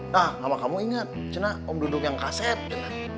nah sama kamu inget karena om dudung yang kaset